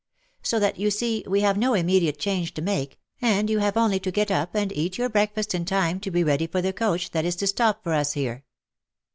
So that you see we have no immediate change to make, and you have only to get up, and eat your breakfast in time to be ready for the coach, that is to stop for us here."